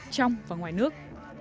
trong và ngoài nước